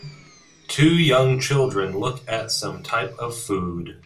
Two young children look at some type of food.